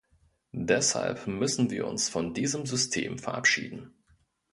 Deshalb müssen wir uns von diesem System verabschieden.